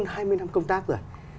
hơn hai mươi năm công tác rồi